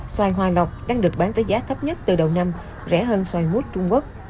xoay hòa lọc đang được bán với giá thấp nhất từ đầu năm rẻ hơn xoay muối trung quốc